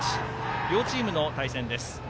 両チームの対戦です。